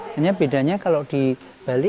hanya bedanya kalau di bali